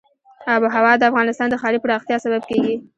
آب وهوا د افغانستان د ښاري پراختیا سبب کېږي.